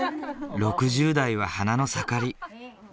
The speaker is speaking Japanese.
６０代は花の盛り。